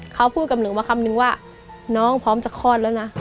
เขาพูดกับหนูมาคำนึงว่าน้องพร้อมจะคลอดแล้วนะ